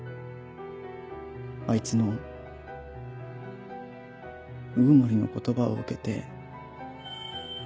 あいつの鵜久森の言葉を受けて。